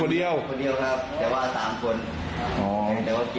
โอเคโอเค